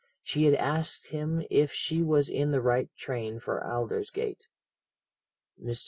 She had asked him if she was in the right train for Aldersgate. Mr.